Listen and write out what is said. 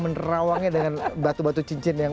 menerawangnya dengan batu batu cincin yang